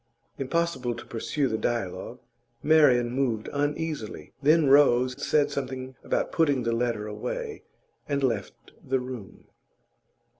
Impossible to pursue the dialogue; Marian moved uneasily, then rose, said something about putting the letter away, and left the room.